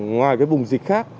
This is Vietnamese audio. ngoài vùng dịch khác